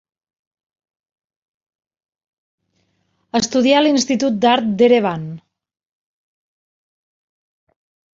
Estudià a l'Institut d'Art d'Erevan.